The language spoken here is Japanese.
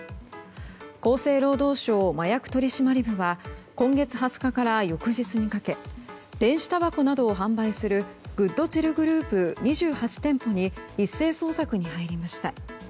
厚生労働省麻薬取締部は今月２０日から翌日にかけ電子たばこなどを販売するグッドチルグループ２８店舗に一斉捜索に入りました。